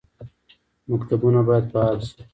مکتبونه باید فعال شي